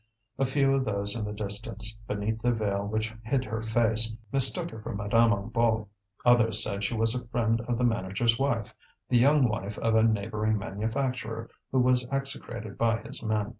A few of those in the distance, beneath the veil which hid her face, mistook her for Madame Hennebeau; others said she was a friend of the manager's wife, the young wife of a neighbouring manufacturer who was execrated by his men.